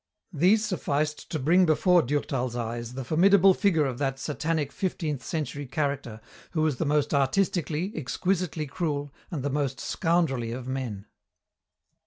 These sufficed to bring before Durtal's eyes the formidable figure of that Satanic fifteenth century character who was the most artistically, exquisitely cruel, and the most scoundrelly of men.